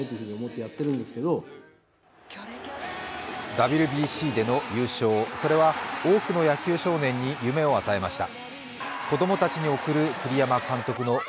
ＷＢＣでの優勝、それは多くの野球少年に夢を与えました。